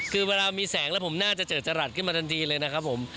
คือเวลามีแสงแล้วผมน่าจะเจอจรัสขึ้นมาทันทีเลยนะครับผม